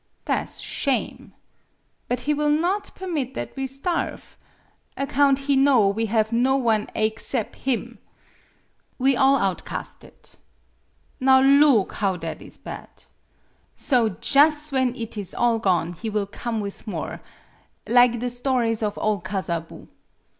Tha' 's shame. But he will not permit that we starve account he know we have no one aexcep' him. We 1 8 MADAME BUTTERFLY all outcasted. Now loog bow that is bad! So jus' when it is all gone he will come with more lig the stories of ole Kazabu.